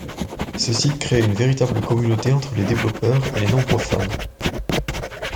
Ce site créé une véritable communauté entre les développeurs et les nombreux fans.